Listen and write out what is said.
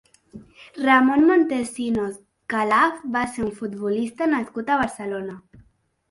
Ramon Montesinos Calaf va ser un futbolista nascut a Barcelona.